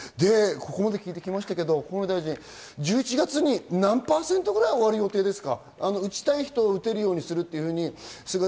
ここまで聞いてきましたが、１１月に何％くらい終わる予定ですか？